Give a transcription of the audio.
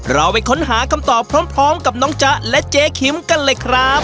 เราไปค้นหาคำตอบพร้อมกับน้องจ๊ะและเจ๊คิมกันเลยครับ